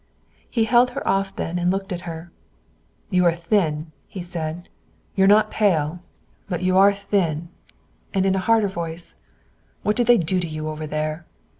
He held her off then and looked at her. "You are thin," he said. "You're not pale, but you are thin." And in a harder voice: "What did they do to you over there?"